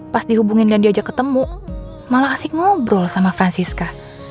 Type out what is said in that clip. pas dihubungin dan diajak ketemu malah asik ngobrol sama francisca